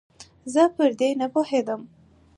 زه پر دې نپوهېدم